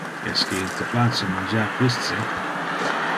Esque il te place mangiar pisce?